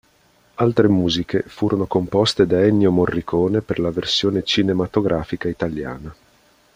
Altre musiche furono composte da Ennio Morricone per la versione cinematografica italiana.